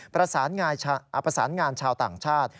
ประสานงานชาวต่างชาติ